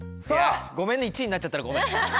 ごめんね１位になっちゃったらごめん。